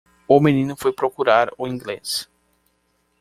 O menino foi procurar o inglês.